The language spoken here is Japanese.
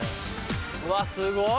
うわすごい！